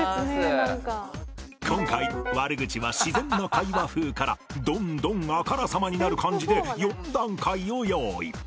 今回悪口は自然な会話風からどんどんあからさまになる感じで４段階を用意